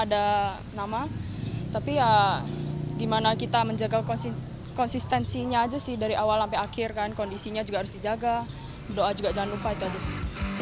ada nama tapi ya gimana kita menjaga konsistensinya aja sih dari awal sampai akhir kan kondisinya juga harus dijaga doa juga jangan lupa itu aja sih